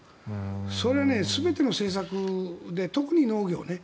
それ、全ての政策で特に農業ね。